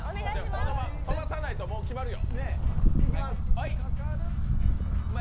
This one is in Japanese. これ、飛ばさないともう決まるよ。